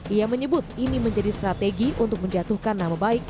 ia menyebut ini menjadi strategi untuk menjatuhkan nama baik